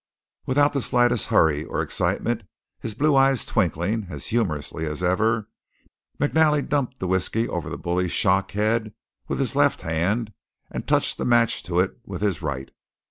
Without the slightest hurry or excitement, his blue eyes twinkling as humorously as ever, McNally dumped the whiskey over the bully's shock head with his left hand and touched the match to it with his right.